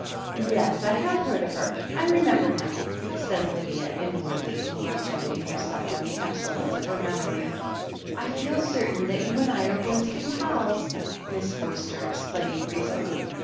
"Yes, I have heard of her. I remember now," said Lydia, inwardly congratulating herself on the excel lence of her memory. "I feel certain that you and I are going to be pals," Miss Forster exclaimed breezily.